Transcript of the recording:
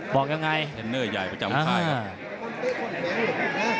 บอกยังไงเทรนเนอร์ใหญ่ประจำค่ายครับ